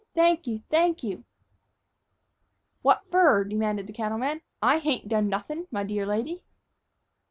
Thank you! thank you!" "What fer?" demanded the cattleman. "I hain't done nothin', my dear lady."